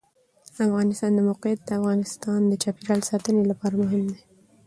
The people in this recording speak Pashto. د افغانستان د موقعیت د افغانستان د چاپیریال ساتنې لپاره مهم دي.